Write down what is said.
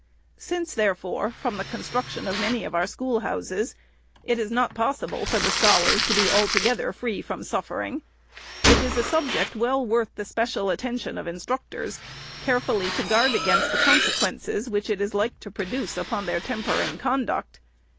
" Since, therefore, from the construction of many of our schoolhouses, it is not possible for the scholars to bo 484 REPOET OF THE SECRETARY altogether free from suffering, it is a subject well worthy the special attention of instructors, carefully to guard against the consequences which it is like to produce upon their temper and conduct.